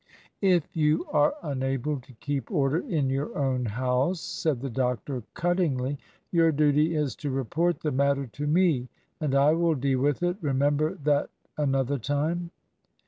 "If you are unable to keep order in your own house," said the doctor cuttingly, "your duty is to report the matter to me, and I will deal with it. Remember that another time."